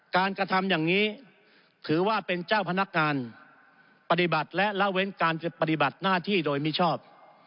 กระทำอย่างนี้ถือว่าเป็นเจ้าพนักงานปฏิบัติและละเว้นการปฏิบัติหน้าที่โดยมิชอบ